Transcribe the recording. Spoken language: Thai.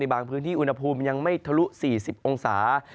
บางพื้นที่อุณหภูมิยังไม่ทะลุ๔๐องศา